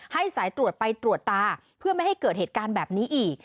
สายตรวจไปตรวจตาเพื่อไม่ให้เกิดเหตุการณ์แบบนี้อีก